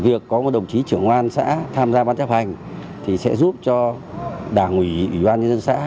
việc có một đồng chí trưởng hoan xã tham gia ban chấp hành sẽ giúp cho đảng ủy ủy ban dân xã